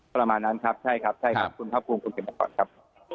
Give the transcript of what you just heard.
ประมาณนั้นครับใช่ครับคุณพระภูมิคุณเกมรกรครับ